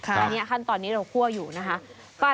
อันนี้ขั้นตอนนี้เราคั่วอยู่นะคะ